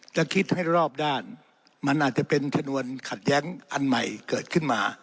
จะคิดให้รอบด้านมันอาจจะเป็นชนวนขัดแย้งอันใหม่เกิดขึ้นมา